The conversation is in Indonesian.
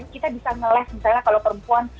kita bisa nge less misalnya kalau perempuan